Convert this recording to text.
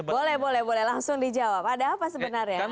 boleh boleh langsung dijawab ada apa sebenarnya